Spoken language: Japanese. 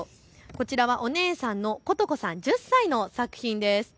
こちらはお姉さんのことこさん、１０歳の作品です。